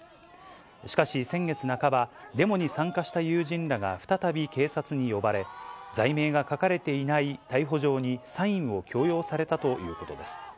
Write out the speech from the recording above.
しかし、先月半ば、デモに参加した友人らが再び警察に呼ばれ、罪名が書かれていない逮捕状にサインを強要されたということです。